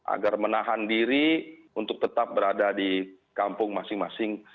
agar menahan diri untuk tetap berada di kampung masing masing